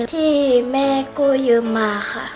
ที่แม่กู้ยืมมา